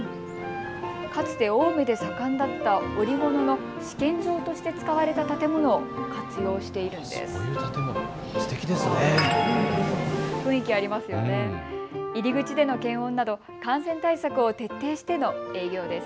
かつて青梅で盛んだった織物の試験場として使われた建物を活用しているんです。